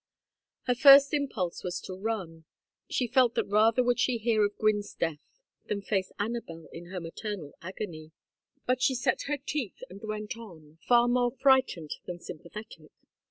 Her first impulse was to run. She felt that rather would she hear of Gwynne's death than face Anabel in her maternal agony. But she set her teeth and went on, far more frightened than sympathetic.